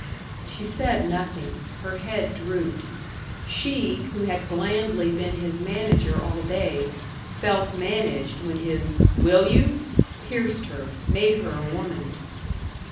She said nothing. Her head drooped. She, who had blandly been his manager all day, felt managed when his "Will you?" pierced her, made her a woman.